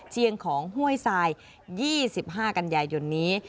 เชียงของห้วยทราย๒๕กันยายนนี้